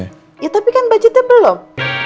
iya tapi kan budgetnya belum